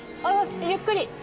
あゆっくり！